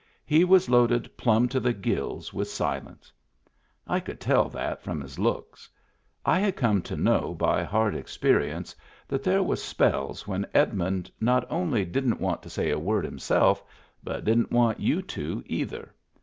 He was loaded plumb to the gills with silence. I could tell that from his looks. I had come to know by hard experience that there was spells when Edmund not only Digitized by Google 2S2 MEMBERS OF THE FAMILY / didn't want to say a word himself, but didn*t want you to, either.